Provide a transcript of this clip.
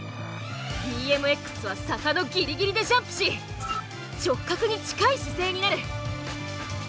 ＢＭＸは坂のギリギリでジャンプし直角に近い姿勢になる。